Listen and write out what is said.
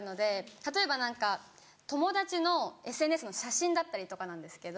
例えば何か友達のＳＮＳの写真だったりとかなんですけど。